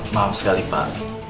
maaf sekali pak